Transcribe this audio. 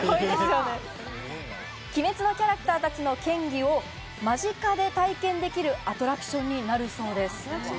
『鬼滅』のキャラクターたちの剣技を間近で体験できるアトラクションになるそうです。